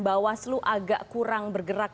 bahwa selu agak kurang bergerak